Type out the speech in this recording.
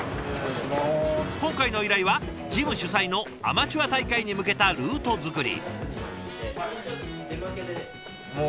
今回の依頼はジム主催のアマチュア大会に向けたルート作り。